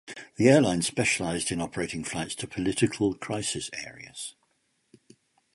The airline specialized in operating flights to political crisis areas.